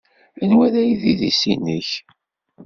Anwa ay d idis-nnek?